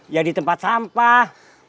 ya di tempat sampah